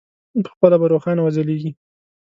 پخپله به روښانه وځلېږي.